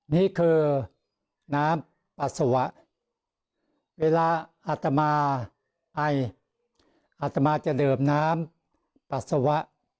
นี่คือน้ำปัสสาวะเวลาอัตมาไออัตมาจะดื่มน้ำปัสสาวะ